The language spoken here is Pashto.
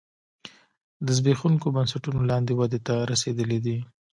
د زبېښونکو بنسټونو لاندې ودې ته رسېدلی دی